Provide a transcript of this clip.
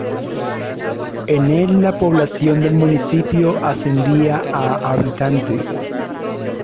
En el la población del municipio ascendía a habitantes.